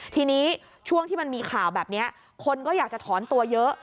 ทีนี้ช่วงที่มันมีข่าวแบบนี้คนก็อยากจะถอนตัวเยอะ